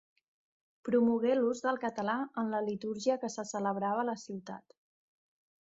Promogué l'ús del català en la litúrgia que se celebrava a la ciutat.